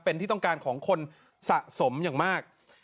เป็นที่ต้องการของคนสะสมอย่างมาก